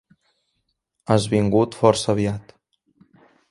Has vingut força aviat.